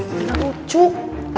wih ngamuk cuk